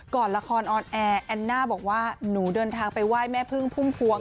ก่อนละครออนแอร์แอนน่าบอกว่าหนูเดินทางไปไหว้แม่พึ่งพุ่มพวง